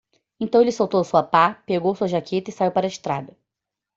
Então ele soltou sua pá? pegou sua jaqueta? e saiu para a estrada.